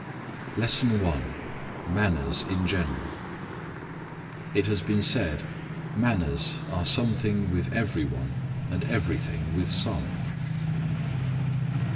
_ LESSON I. MANNERS IN GENERAL. IT has been said, "Manners are something with every one, and everything with some."